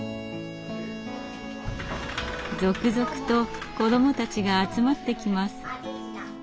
続々と子どもたちが集まってきます。